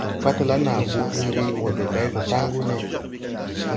Patala naa hoo ɗeere, wose day go taŋgu ne.